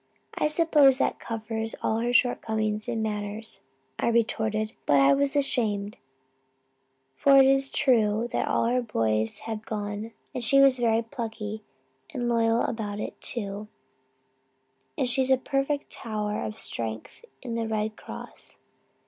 "'I suppose that covers all her shortcomings in manners,' I retorted. But I was ashamed for it is true that all her boys have gone and she was very plucky and loyal about it too; and she is a perfect tower of strength in the Red Cross.